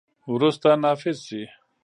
وروسته، نافذ شي.